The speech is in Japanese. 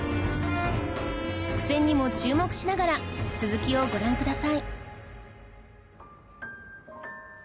伏線にも注目しながら続きをご覧ください